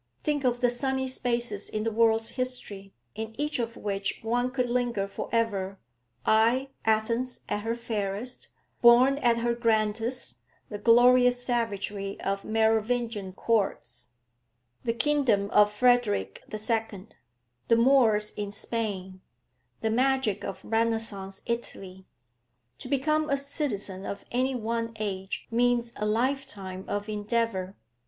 Think of the sunny spaces in the world's history, in each of which one could linger for ever. Athens at her fairest, Rome at her grandest, the glorious savagery of Merovingian courts, the kingdom of Frederick II., the Moors in Spain, the magic of Renaissance Italy to become a citizen of any one age means a lifetime of endeavour.